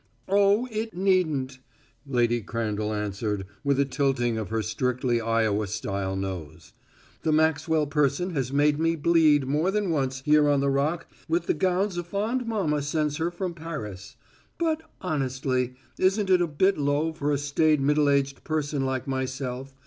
"Oh, it needn't!" Lady Crandall answered, with a tilting of her strictly Iowa style nose. "The Maxwell person has made me bleed more than once here on the Rock with the gowns a fond mama sends her from Paris. But, honestly, isn't this a bit low for a staid middle aged person like myself?